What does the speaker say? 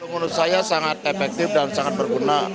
menurut saya sangat efektif dan sangat berguna